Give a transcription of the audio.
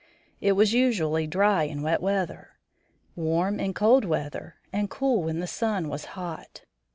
It was usually dry in wet weather, warm in cold weather, and cool when the sun was hot.